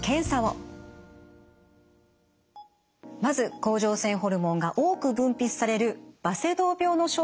まず甲状腺ホルモンが多く分泌されるバセドウ病の症状を紹介します。